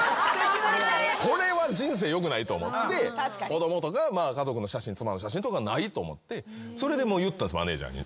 これは人生よくないと思って子供とか家族の写真妻の写真とかないと思ってそれで言ったんですマネジャーに。